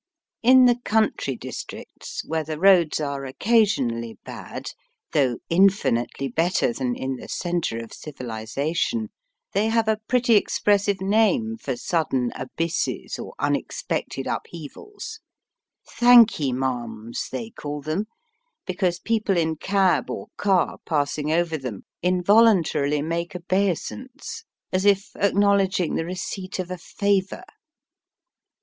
In the country districts, where the roads are occasionally bad, though infinitely better than in the centre of civilization, they have a pretty expressive name for sudden abysses or unex pected upheavals. ^^ Thank 'ee marms," they call them, because people in cab or car passing over them involuntarily make obeisance as if acknowledging the receipt of a favour.